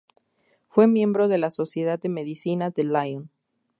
Fue miembro de la "Sociedad de Medicina de Lyon".